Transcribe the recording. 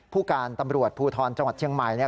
ผู้การตำรวจภูทรจังหวัดเชียงใหม่เนี่ย